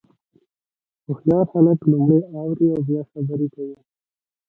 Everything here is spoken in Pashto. هوښیار خلک لومړی اوري او بیا خبرې کوي.